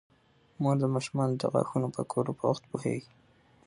مور د ماشومانو د غاښونو د پاکولو په وخت پوهیږي.